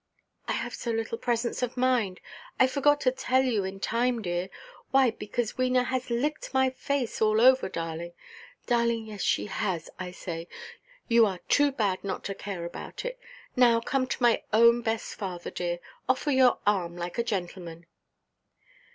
"I have so little presence of mind. I forgot to tell you in time, dear. Why, because Wena has licked my face all over, darling. Darling, yes, she has, I say. You are too bad not to care about it. Now come to my own best father, dear. Offer your arm like a gentleman."